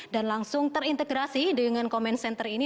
dan langsung terintegrasi dengan comment center ini